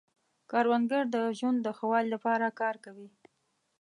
کروندګر د ژوند د ښه والي لپاره کار کوي